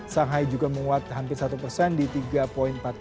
sanghai juga menguat hampir satu persen di tiga empat puluh tujuh